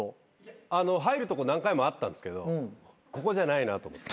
入るとこ何回もあったんですけどここじゃないなと。